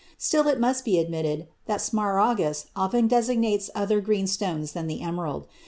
Still it must be admitted that smaragdus often designates other green stones than the emerald.